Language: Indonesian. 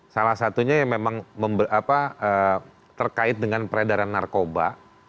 salah satunya yang memang terkait dengan peredaran narkoba